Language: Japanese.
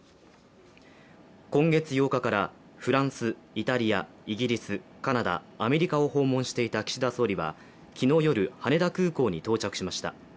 今月８日からフランスイタリア、イギリスカナダ、アメリカを訪問していた岸田総理は昨日夜、羽田空港に到着しました。